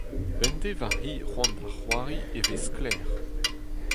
P'en dez ma c'hi c'hoant da c'hoari e vez sklaer.